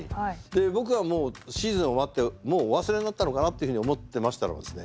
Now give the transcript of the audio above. で僕はもうシーズン終わってもうお忘れになったのかなというふうに思ってましたらばですね